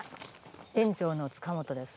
園長の塚本です。